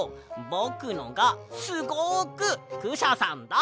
ぼくのがすごくクシャさんだ！